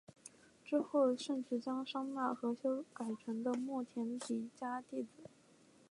之后甚至将商那和修改成是末田底迦弟子。